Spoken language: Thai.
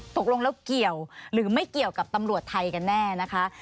ตกลงแล้วเกี่ยวหรือไม่เกี่ยวกับตำรวจไทยกันแน่นะคะ